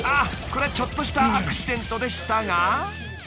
これはちょっとしたアクシデントでしたが］